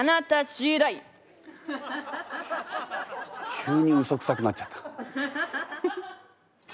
急にウソくさくなっちゃった。